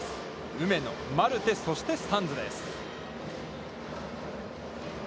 梅野、マルテ、そしてサンズです。